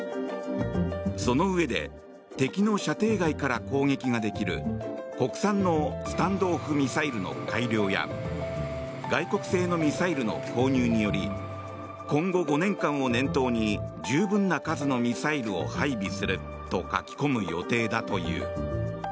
そのうえで敵の射程外から攻撃ができる国産のスタンド・オフ・ミサイルの改良や外国製のミサイルの購入により今後５年間を念頭に十分な数のミサイルを配備すると書き込む予定だという。